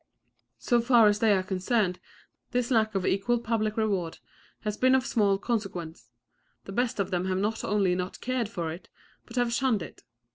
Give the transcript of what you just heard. So far as they are concerned this lack of equal public reward has been of small consequence; the best of them have not only not cared for it, but have shunned it.